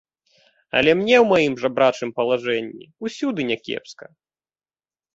Але мне ў маім жабрачым палажэнні ўсюды някепска.